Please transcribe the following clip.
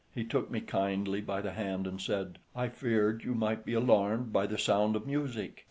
He took me kindly by the hand and said, "I feared you might be alarmed by the sound of music.